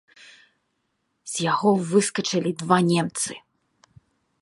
З яго выскачылі два немцы.